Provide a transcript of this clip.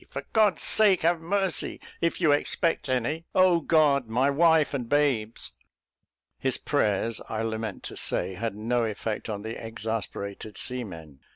For God's sake, have mercy, if you expect any! Oh, God! my wife and babes!" His prayers, I lament to say, had no effect on the exasperated seamen.